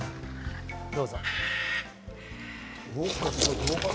どうぞ。